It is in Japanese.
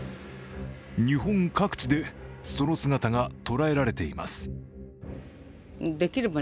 日本各地で、その姿が捉えられています。